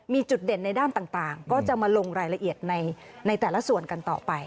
มีจุดเด่นในด้านต่างก็จะมาลงรายละเอียดในแต่ละส่วนกันต่อไป